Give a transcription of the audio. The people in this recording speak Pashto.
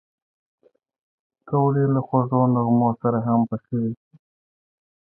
پکورې له خوږو نغمو سره هم پخېږي